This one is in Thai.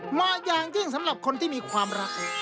เหมาะอย่างยิ่งสำหรับคนที่มีความรัก